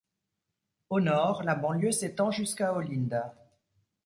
Au nord, la banlieue s'étend jusqu'à Olinda.